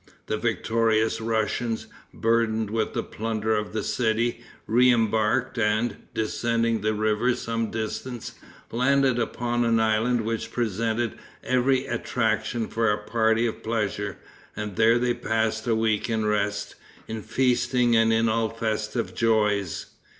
The victorious Russians, burdened with the plunder of the city, reembarked, and, descending the river some distance, landed upon an island which presented every attraction for a party of pleasure, and there they passed a week in rest, in feasting and in all festive joys.